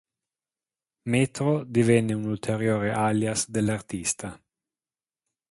Metro" divenne un ulteriore alias dell'artista.